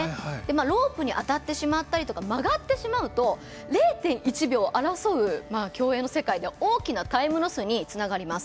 ロープに当たってしまったりとか曲がってしまうと、０．１秒を争う競泳の世界では大きなタイムロスにつながります。